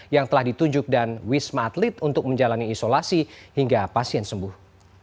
yang telah ditunjuk dan wisma atlet untuk menjalani isolasi hingga pasien sembuh